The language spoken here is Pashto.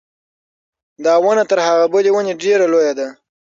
دا ونه تر هغې بلې ونې ډېره لویه ده.